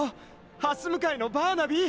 はす向かいのバーナビー！